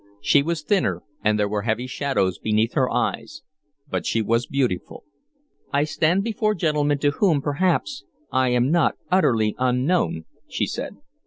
She was thinner and there were heavy shadows beneath her eyes, but she was beautiful. "I stand before gentlemen to whom, perhaps, I am not utterly unknown," she said.